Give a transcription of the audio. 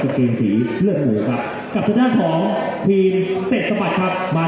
และเจ้าที่แดงเท่าไหร่สิ่งที่สำคัญ